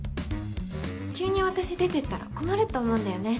急に私出てったら困ると思うんだよね